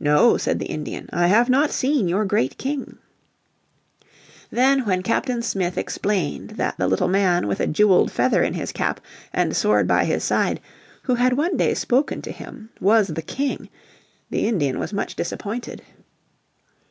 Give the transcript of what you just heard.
"No," said the Indian, "I have not seen your great King." Then when Captain Smith explained that the little man with a jeweled feather in his cap and sword by his side, who had one day spoken to him was the King, the Indian was much disappointed.